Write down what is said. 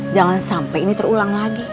jangan sampai ini terulang lagi